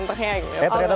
eh ternyata beneran gitu ya